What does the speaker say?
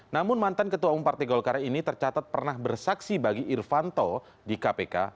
namun mantan ketua umum partai golkar ini tercatat pernah bersaksi bagi irvanto di kpk